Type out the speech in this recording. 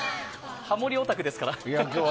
ハモリオタクですから。